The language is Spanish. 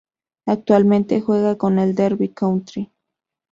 Actualmente juega en el Derby County.